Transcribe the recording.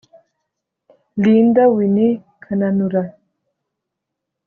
Linda Winnie Kananura